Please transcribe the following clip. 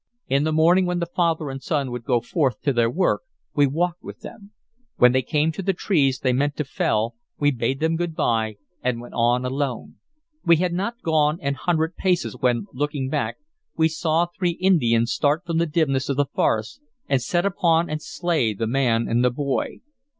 In the morning, when the father and son would go forth to their work we walked with them. When they came to the trees they meant to fell we bade them good by, and went on alone. We had not gone an hundred paces when, looking back, we saw three Indians start from the dimness of the forest and set upon and slay the man and the boy.